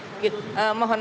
mohon maaf kemudian